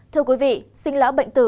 thưa quý vị sinh lão bệnh tử